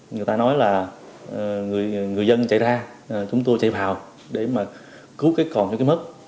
người ta nói là người dân chạy ra chúng tôi chạy vào để mà cứu cái còn cho cái mất